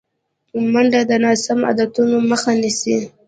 منډه د ناسم عادتونو مخه نیسي